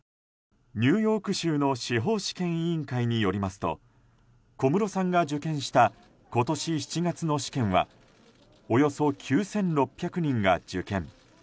ニューヨーク州の司法試験委員会によりますと小室さんが受験した今年７月の試験はおよそ９６００人が受験。